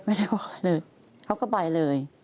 ไม่ได้บอกอะไรเลยเขาก็ไปเลย